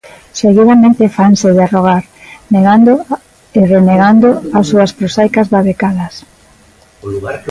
Seguidamente fanse de rogar, negando e renegando as súas prosaicas babecadas.